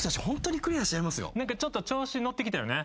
ちょっと調子乗ってきたよね